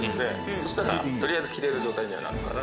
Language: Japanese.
そうしたらとりあえず着られる状態にはなるかなと。